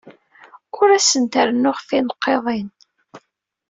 Ur asent-rennuɣ tinqiḍin.